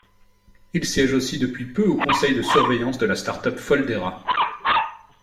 Il siège aussi depuis peu au conseil de surveillance de la startup Foldera.